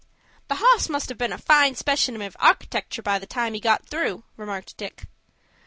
"The hoss must have been a fine specimen of architectur' by the time he got through," remarked Dick.